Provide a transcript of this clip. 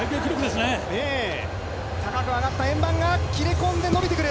高く上がった円盤が切れ込んで伸びてくる。